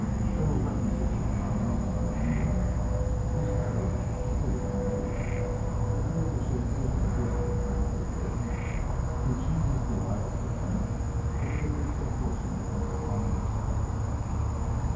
There were references sometimes to her one daughter, who was married and living in New York. It appeared that she occasionally visited her mother here. Eugene was delighted to think he had been so fortunate as to find this place.